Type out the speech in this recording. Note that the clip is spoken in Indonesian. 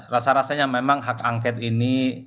rasa rasanya memang hak angket ini